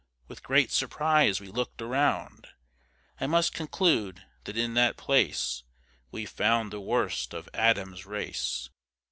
With great surprise we look'd around: I must conclude that in that place, We found the worst of Adam's race.